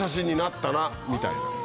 みたいな。